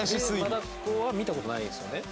真ダコは見たことないですよね